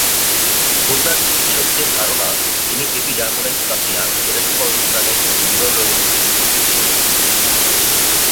খুলনার চিকিৎসকদের ধারণা, তিনি এপিডার্মোডাইসপ্লাসিয়া ভেরাসিফরমিস নামের একটি বিরল রোগে ভুগছেন।